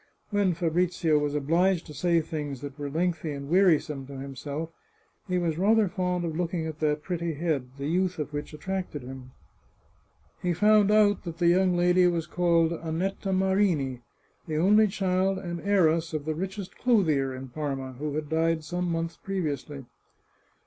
When Fabrizio was obliged to say things that were lengthy and wearisome to himself, he was rather fond of looking at this pretty head, the youth of which attracted him. He found out that the young lady was called Annetta Marini, the only child and heiress of the richest clothier in Parma, who had died some months pre viously.